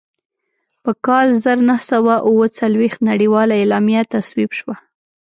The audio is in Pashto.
په کال زر نهه سوه اووه څلوېښت نړیواله اعلامیه تصویب شوه.